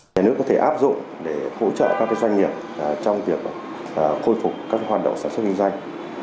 nhà nước có thể áp dụng để hỗ trợ các doanh nghiệp trong việc khôi phục các hoạt động sản xuất kinh doanh